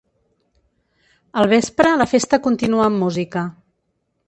Al vespre la festa continua amb música.